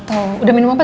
tidak ada apa apa